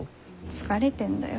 疲れてんだよ。